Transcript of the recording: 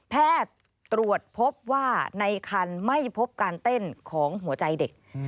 แพทย์ตรวจพบว่าในคันไม่พบการเต้นของหัวใจเด็ก